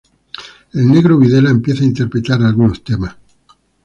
El Negro Videla empieza a interpretar algunos temas.